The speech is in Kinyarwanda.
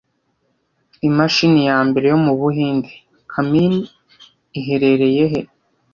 Imashini ya mbere yo mu Buhinde, 'Kamini', iherereye he